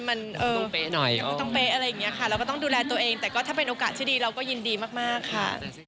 ต้องเป๊ะหน่อยอ้อใช่ไหมใช่ค่ะเราก็ต้องดูแลตัวเองแต่ก็ถ้าเป็นโอกาสที่ดีเราก็ยินดีมากค่ะ